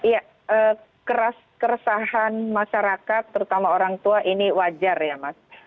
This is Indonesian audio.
ya keresahan masyarakat terutama orang tua ini wajar ya mas